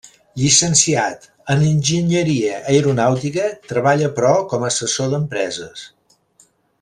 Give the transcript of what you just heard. Llicenciat en enginyeria aeronàutica, treballa però com a assessor d'empreses.